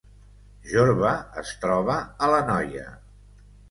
Jorba es troba a l’Anoia